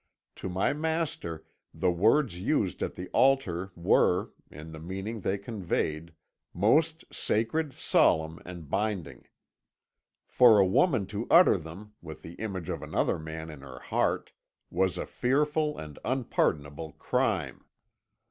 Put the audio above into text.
To my master the words used at the altar were, in the meaning they conveyed, most sacred, solemn and binding. For a woman to utter them, with the image of another man in her heart, was a fearful and unpardonable crime.